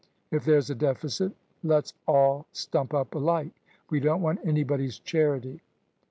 If there's a deficit let's all stump up alike. We don't want anybody's charity."